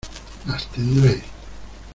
las tendréis.